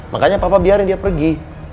makanya papa biarin dia pergi